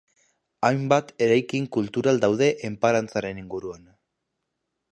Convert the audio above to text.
Hainbat eraikin kultural daude enparantzaren inguruan.